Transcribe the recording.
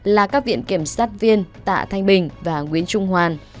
là các viện kiểm sát viên tạ thanh bình và nguyễn trung hoàn